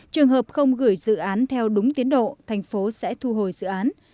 trường hợp không gửi dự án theo đúng tiến độ tp hcm sẽ thu hồi dự án